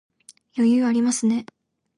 余裕ありますね